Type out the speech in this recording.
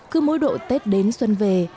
cứ mỗi độ tết đến xuân về